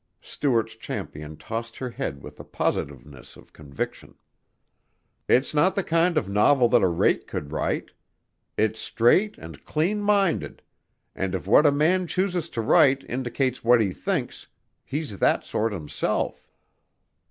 Stuart's champion tossed her head with the positiveness of conviction. "It's not the kind of novel that a rake could write. It's straight and clean minded, and if what a man chooses to write, indicates what he thinks, he's that sort himself."